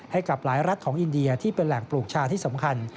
ให้กับหลายรัฐของอินเดียที่เป็นแหล่งปลูกชาที่สำคัญ